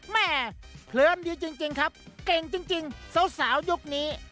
แม่เพลินดีจริงครับเก่งจริงสาวยุคนี้